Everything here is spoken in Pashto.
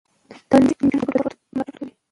تعليم شوې نجونې د ګډو اهدافو ملاتړ کوي.